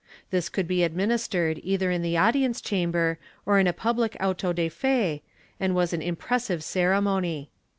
This could be administered either in the audience chamber, or in a public auto de fe, and was an impressive ceremony.